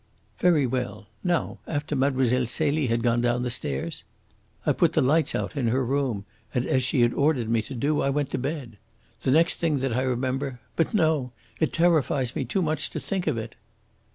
"Very well. Now, after Mlle. Celie had gone down the stairs " "I put the lights out in her room and, as she had ordered me to do, I went to bed. The next thing that I remember but no! It terrifies me too much to think of it."